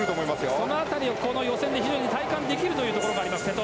その辺りを、この予選で非常に体感できるというところもあります、瀬戸。